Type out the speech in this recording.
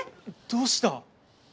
どうした？